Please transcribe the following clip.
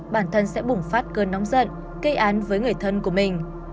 bản thân sẽ bùng phát cơn nóng giận gây án với người thân của mình